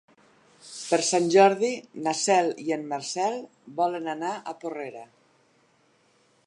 Per Sant Jordi na Cel i en Marcel volen anar a Porrera.